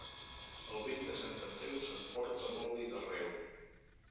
El vent de Sant Andreu s'emporta l'oli d'arreu.